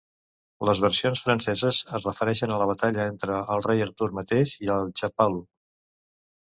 Les versions franceses es refereixen a la batalla entre el Rei Artur mateix i el "Chapalu".